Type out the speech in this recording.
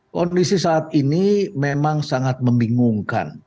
kondisi saat ini memang sangat membingungkan